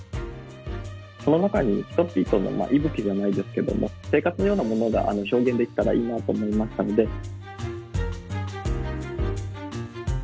その中に人々の息吹じゃないですけども生活のようなものが表現できたらいいなと思いましたので。